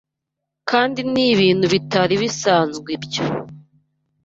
kandi nibintu bitari bisanzwe ibyo.